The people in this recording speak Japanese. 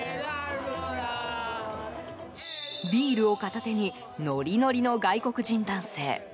ビールを片手にノリノリの外国人男性。